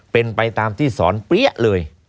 เป็นไปตามที่สอนเปี้ยเลย